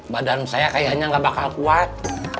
badan saya kayaknya gak bakal kuat